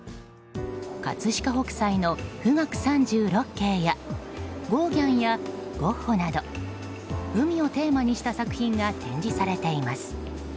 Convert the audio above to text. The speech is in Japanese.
葛飾北斎の「富嶽三十六景」やゴーギャンやゴッホなど海をテーマにした作品が展示されています。